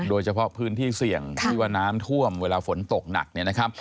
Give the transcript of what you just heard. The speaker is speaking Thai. โดยเฉพาะพื้นที่เสี่ยงที่ว่าน้ำท่วมเวลาฝนตกหนักเนี่ยนะครับ